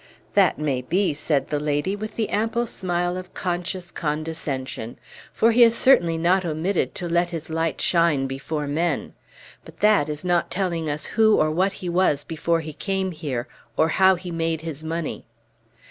"That may be," said the lady, with the ample smile of conscious condescension; "for he has certainly not omitted to let his light shine before men. But that is not telling us who or what he was before he came here, or how he made his money."